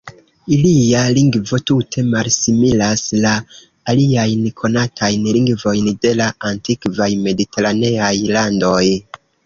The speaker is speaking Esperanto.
Ilia lingvo tute malsimilas la aliajn konatajn lingvojn de la antikvaj mediteraneaj landoj.